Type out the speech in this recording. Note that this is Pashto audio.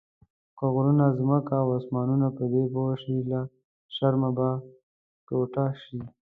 که غرونه، ځمکه او اسمانونه پدې پوه شي له شرمه به ټوټه شي.